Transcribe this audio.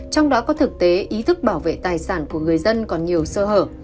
trong đó có thực tế ý thức bảo vệ tài sản của người dân còn nhiều sơ hở